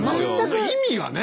意味がね。